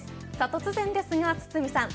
突然ですが、堤さん。